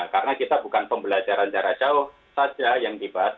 karena kita bukan pembelajaran jarak jauh saja yang dibahas